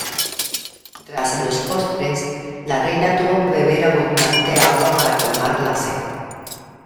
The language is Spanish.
Tras los postres, la reina tuvo que beber abundante agua para calmar la sed.